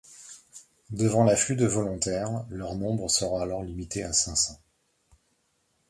Devant l'afflux de volontaires, leur nombre sera alors limité à cinq cents.